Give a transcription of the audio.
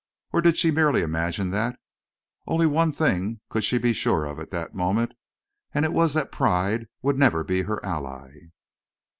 Or did she merely imagine that? Only one thing could she be sure of at that moment, and it was that pride would never be her ally.